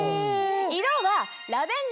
色は。